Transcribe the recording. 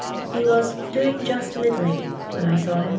He was " doing just middling " when 1 saw him.